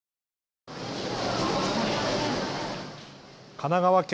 神奈川県